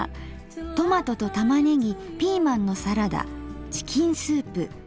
「トマトと玉ねぎピーマンのサラダチキンスープ」。